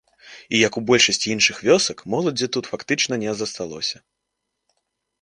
Як і ў большасці іншых вёсак, моладзі тут фактычна не засталося.